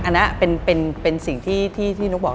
อันนี้เป็นสิ่งที่นุ๊กบอก